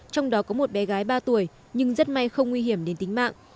trong đó có một bé gái ba tuổi nhưng rất may không nguy hiểm đến tính mạng